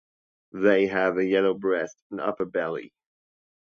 They have a yellow breast and upper belly.